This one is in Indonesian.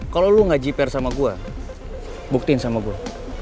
kalau lo gak jiper sama gue buktiin sama gue